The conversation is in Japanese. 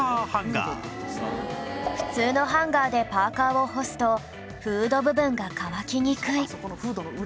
普通のハンガーでパーカーを干すとフード部分が乾きにくい